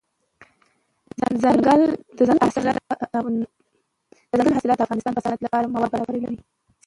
دځنګل حاصلات د افغانستان د صنعت لپاره مواد برابروي.